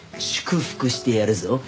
祝福してやるぞ。